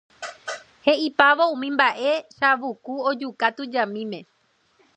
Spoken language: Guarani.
He'ipávo umi mba'e Chavuku ojuka tujamíme.